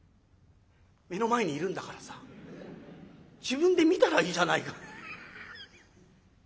「目の前にいるんだからさ自分で見たらいいじゃないか」。